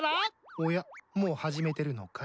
おやもう始めてるのかい？